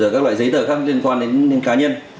các loại giấy tờ khác liên quan đến cá nhân